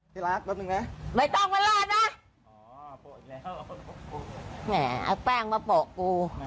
ที่รากแป๊บหนึ่งนะไม่ต้องมาเล่นนะเฮ้เอาแป้งมาโปะลูก